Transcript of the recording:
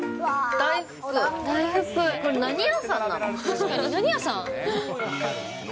大福、これ、何屋さんなの？